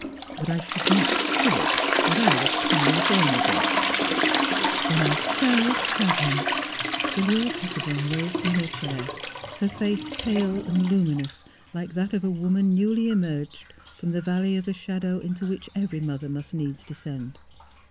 But I should not kill it with either kind ness or neglect." " Then I shall have him! " Philura Pettibone rose from her chair, her face '^ UNTO US A SON IS BOEN " 293 pale and luminous like that of a woman newly emerged from the valley of the shadow into which every mother must needs descend.